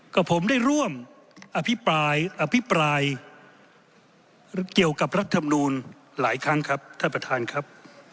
กับผมได้ร่วมอภิปรายอภิปรายเกี่ยวกับรัฐธรรมนูลหลายครั้งครับท่านประธานครับ